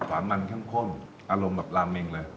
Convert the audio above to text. อารมณ์แบบลามเมงเลย